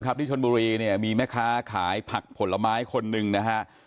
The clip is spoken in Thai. ที่ชนบุรีเนี่ยมีแม่ค้าขายผักผลไม้คนหนึ่งนะฮะ